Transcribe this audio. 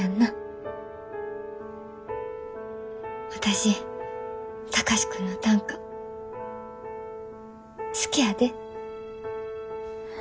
私貴司君の短歌好きやで。